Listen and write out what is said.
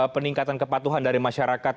peningkatan kepatuhan dari masyarakat